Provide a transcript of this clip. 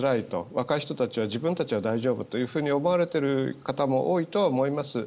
若い人たちは自分たちは大丈夫と思われている方も多いとは思います。